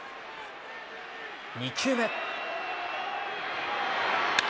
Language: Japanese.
２球目。